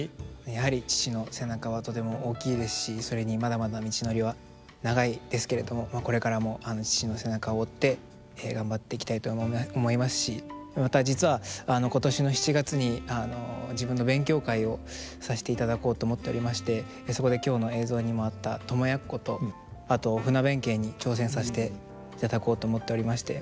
やはり父の背中はとても大きいですしそれにまだまだ道のりは長いですけれどもこれからも父の背中を追って頑張っていきたいと思いますしまた実は今年の７月に自分の勉強会をさせていただこうと思っておりましてそこで今日の映像にもあった「供奴」とあと「船弁慶」に挑戦させていただこうと思っておりまして。